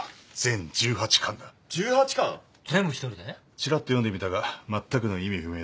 ちらっと読んでみたがまったくの意味不明だ。